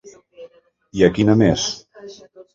I a quines més?